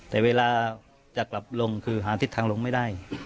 แต่เวลาจะกลับลงคือหาทิศทางลงไม่ได้